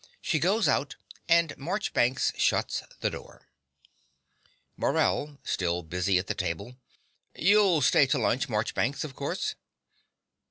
(She goes out; and Marchbanks shuts the door.) MORELL (still busy at the table). You'll stay to lunch, Marchbanks, of course.